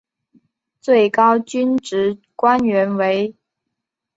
最高军职官员为。